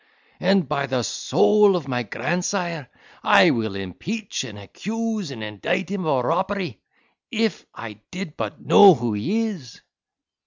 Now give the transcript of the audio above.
and by the soul of my grandsire, I will impeach, and accuse, and indict him, of a roppery, if I did but know who he is."